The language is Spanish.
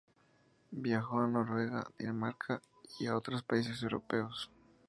Viajó a Noruega, Dinamarca y otros países europeos.